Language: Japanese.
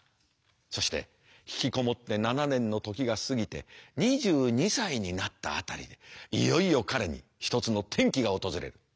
そして引きこもって７年の時が過ぎて２２歳になった辺りでいよいよ彼に一つの転機が訪れる。